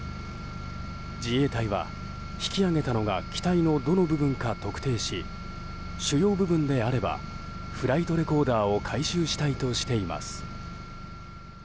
自衛隊は引き揚げたのが機体のどの部分か特定し主要部分であればフライトレコーダーを回収したいとしています。